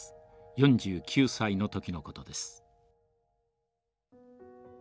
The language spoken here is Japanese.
４９歳の時のことです。